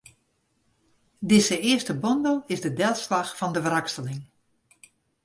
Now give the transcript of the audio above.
Dizze earste bondel is de delslach fan de wrakseling.